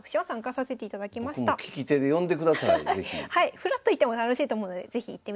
ふらっと行っても楽しいと思うので是非行ってみてください。